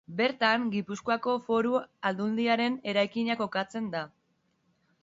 Bertan Gipuzkoako Foru Aldundiaren eraikina kokatzen da.